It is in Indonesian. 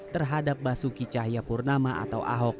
terhadap basuki cahayapurnama atau ahok